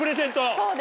そうです。